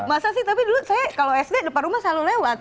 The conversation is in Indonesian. masa sih tapi dulu saya kalau sd depan rumah selalu lewat